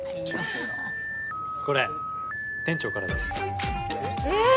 これ店長からですえっ？